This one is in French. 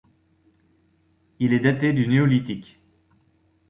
Il est daté du Néolithique.